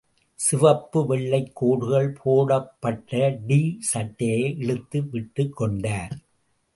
சிவப்பு, வெள்ளைக் கோடுகள் போடப்பட்ட டி சட்டையை இழுத்து விட்டுக்கொண்டார்.